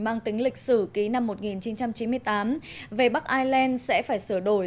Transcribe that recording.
mang tính lịch sử ký năm một nghìn chín trăm chín mươi tám về bắc ireland sẽ phải sửa đổi